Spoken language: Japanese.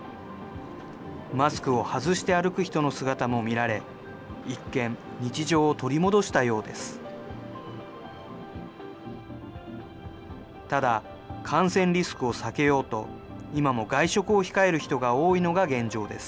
マスクを外して歩く人の姿も見られ、一見、日常を取り戻したようです。